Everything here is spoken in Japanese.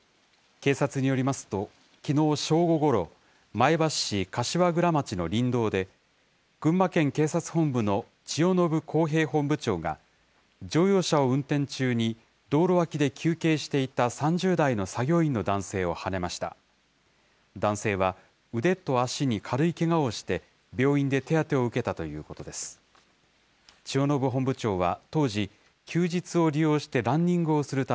警察によりますと、きのう正午ごろ、前橋市柏倉町の林道で、群馬県警察本部の千代延晃平本部長が、乗用車を運転中に道路脇で休憩していた３０代の作業員の男性をはねました。